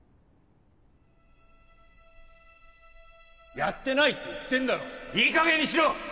やってないと言ってんだろいい加減にしろ！